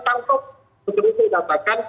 tampak seperti itu dapatkan